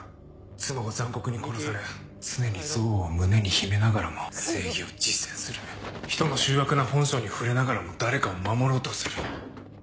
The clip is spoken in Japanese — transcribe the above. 妻を残酷に殺され常に憎悪を胸に秘めながらも正義を実践する人の醜悪な本性に触れながらも誰かを守ろうとする。